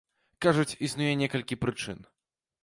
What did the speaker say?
Кажуць, існуе некалькі прычын.